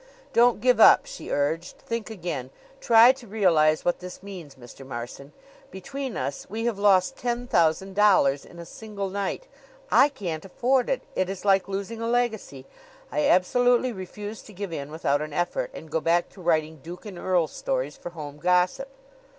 "Don't give up," she urged. "Think again. Try to realize what this means, Mr. Marson. Between us we have lost ten thousand dollars in a single night. I can't afford it. It is like losing a legacy. I absolutely refuse to give in without an effort and go back to writing duke and earl stories for Home Gossip."